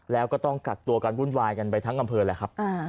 แล้วก็ต้องกักตัวกันวุ่นวายกันไปทั้งอำเภอแหละครับ